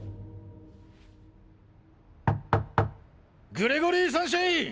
グレゴリー・サンシャイン！